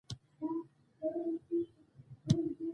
بېرته مې د غره لمنو او لارې ته سترګې واړولې.